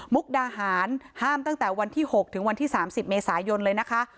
มุกดาหารห้ามตั้งแต่วันที่๖ถึงวันที่๓๐เมษายนเลยนะคะ